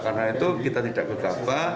karena itu kita tidak berkata